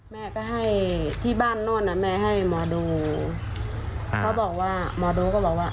แม่ก็ให้ที่บ้านโน่นอ่ะแม่ให้หมอดูเขาบอกว่าหมอดูก็บอกว่า